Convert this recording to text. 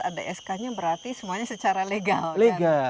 ada sk nya berarti semuanya secara legal